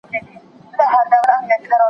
ته زعفران خپل کور موندلی.